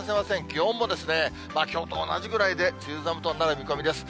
気温もきょうと同じぐらいで、梅雨寒となる見込みです。